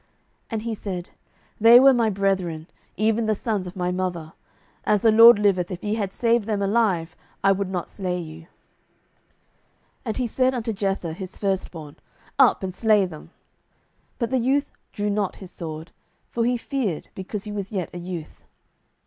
07:008:019 And he said, They were my brethren, even the sons of my mother: as the LORD liveth, if ye had saved them alive, I would not slay you. 07:008:020 And he said unto Jether his firstborn, Up, and slay them. But the youth drew not his sword: for he feared, because he was yet a youth.